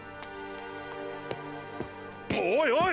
おいおい！